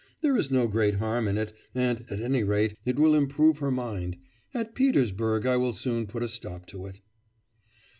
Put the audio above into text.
There is no great harm in it, and, at any rate, it will improve her mind. At Petersburg I will soon put a stop to it.